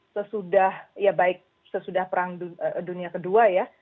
sesudah ya baik sesudah perang dunia kedua ya